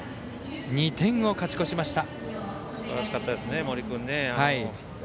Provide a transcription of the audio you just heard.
２点を勝ち越しました。